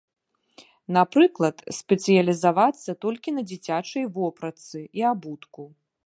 Напрыклад, спецыялізавацца толькі на дзіцячай вопратцы і абутку.